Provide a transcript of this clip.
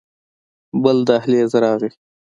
بل دهليز راغى.